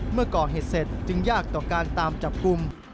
เมื่อก่อเหตุเสร็จจึงยากต่อการตามจับกลุ่ม